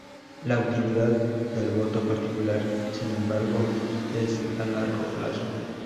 La utilidad del voto particular, sin embargo, es a largo plazo.